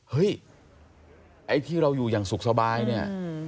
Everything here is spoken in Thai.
เฮ้ยไอ้ที่เราอยู่อย่างสุขสบายเนี่ย